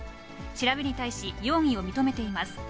調べに対し、容疑を認めています。